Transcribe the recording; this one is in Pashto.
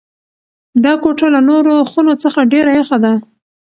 دا کوټه له نورو خونو څخه ډېره یخه ده.